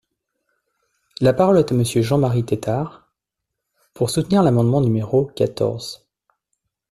La parole est à Monsieur Jean-Marie Tetart, pour soutenir l’amendement numéro quatorze.